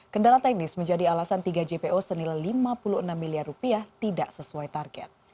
kendala teknis menjadi alasan tiga jpo senilai lima puluh enam miliar rupiah tidak sesuai target